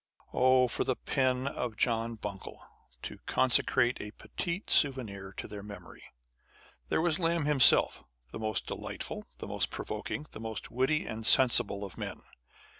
1 Oh! for the pen of John Buncle to consecrate a petit souvenir to their memory ! â€" There was Lamb himself, the most delightful, the most provoking, the most witty and sensible of men.